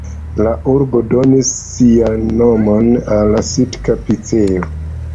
La urbo donis sian nomon al la Sitka-piceo.